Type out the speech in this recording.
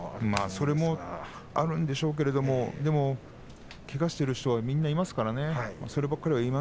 それもあるでしょうがけがをしている人はみんないますからね。